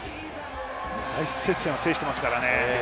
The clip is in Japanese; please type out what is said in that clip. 大接戦を制していますからね。